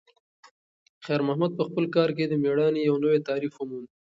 خیر محمد په خپل کار کې د میړانې یو نوی تعریف وموند.